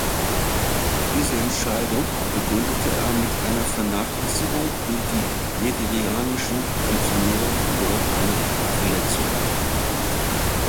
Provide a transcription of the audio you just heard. Diese Entscheidung begründete er mit einer Vernachlässigung durch die nigerianischen Funktionäre während einer Verletzung.